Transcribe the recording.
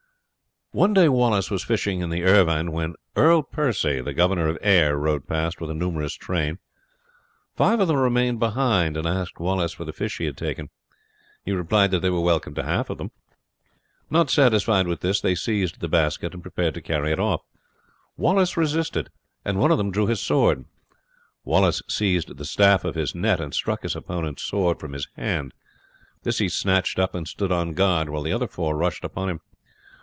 One day Wallace was fishing in the Irvine when Earl Percy, the governor of Ayr, rode past with a numerous train. Five of them remained behind and asked Wallace for the fish he had taken. He replied that they were welcome to half of them. Not satisfied with this, they seized the basket and prepared to carry it off. Wallace resisted, and one of them drew his sword. Wallace seized the staff of his net and struck his opponent's sword from his hand; this he snatched up and stood on guard, while the other four rushed upon him.